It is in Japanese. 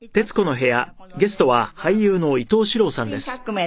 はい。